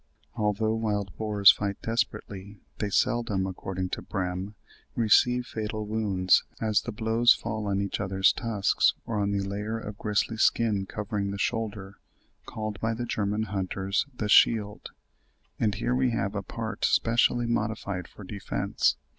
Although wild boars fight desperately, they seldom, according to Brehm, receive fatal wounds, as the blows fall on each other's tusks, or on the layer of gristly skin covering the shoulder, called by the German hunters, the shield; and here we have a part specially modified for defence.